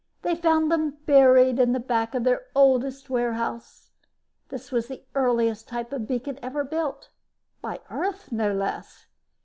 They found them buried in the back of their oldest warehouse. This was the earliest type of beacon ever built by Earth, no less.